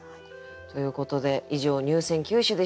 ということで以上入選九首でした。